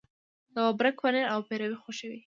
د ببرک پنیر او پیروی خوښیږي.